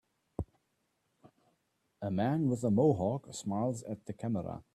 A man with a Mohawk smiles at the camera.